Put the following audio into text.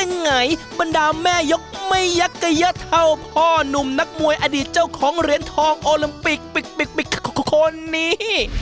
ยังไงบรรดาแม่ยกไม่ยักกะเยอะเท่าพ่อนุ่มนักมวยอดีตเจ้าของเหรียญทองโอลิมปิกปิกคนนี้